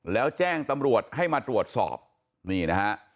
แล้วแจ้งตำรวจให้มาตรวจสอบนี่นะฮะ